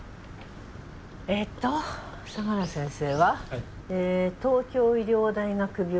えっと相良先生は東京医療大学病院で。